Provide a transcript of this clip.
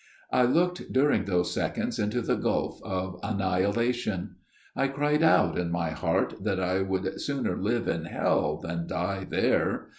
I looked during those seconds into the gulf of annihilation. ... I cried out in my heart that I would sooner live in hell than die there